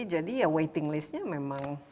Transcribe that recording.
jadi ya waiting list nya memang